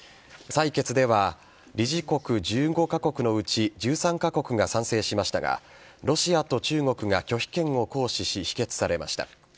採決では理事国１５カ国のうち１３カ国が賛成しましたがロシアと中国が拒否権を行使し否決されました。